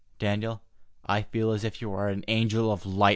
"Daniel, I feel as if you were an angel of light!"